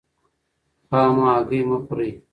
خامه هګۍ مه خورئ.